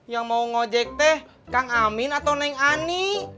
yang mau ngojek teh kang amin atau neng ani